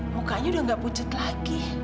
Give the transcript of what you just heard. mukanya udah gak pucut lagi